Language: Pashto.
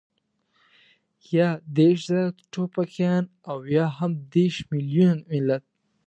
يا دېرش زره ټوپکيان او يا هم دېرش مېليونه ملت.